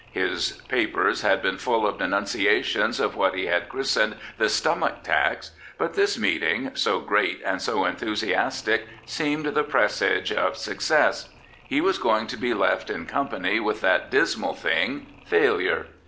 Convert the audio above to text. His papers had been full of denunciations of what he had christened * the Stomach Ta!!Sr'; bi^t this meeting, so great and so enthusiastic, seeme(d the presage of success. He was going to be left 'in company with that dismal thing, failure.